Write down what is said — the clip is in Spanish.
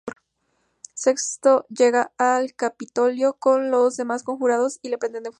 Sexto llega al Capitolio con los demás conjurados y le prende fuego.